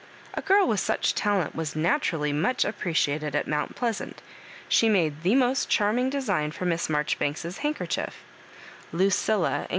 A girl with such a talent was naturally *much appreciated at Mount Pleasant She made the most charming design for Miss Marjoribanks's handkerchief —*' Lucilla," in